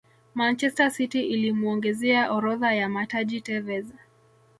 manchester city ilimuongezea orodha ya mataji tevez